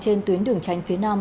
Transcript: trên tuyến đường tranh phía nam